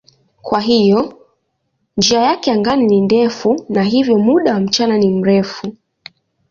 Kwa hiyo njia yake angani ni ndefu na hivyo muda wa mchana ni mrefu.